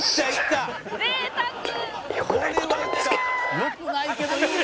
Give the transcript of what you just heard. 「よくないけどいいね」